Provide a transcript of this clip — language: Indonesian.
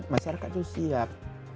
masyarakat harus siap